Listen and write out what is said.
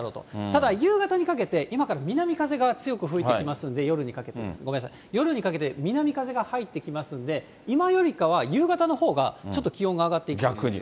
ただ、夕方にかけて、今から南風が強く吹いてきますので、夜にかけて、ごめんなさい、夜にかけて、南風が入ってきますので、今よりかは夕方のほうがちょっと気温が逆に。